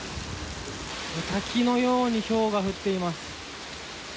滝のようにひょうが降っています。